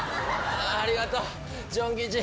ありがとうジュンキチ。